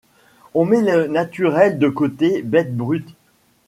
On met le naturel de côté ; bête brute